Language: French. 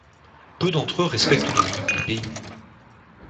Peu d'entre eux respectent les limites des pays.